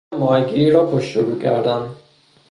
تور ماهیگیری را پشت و رو کردن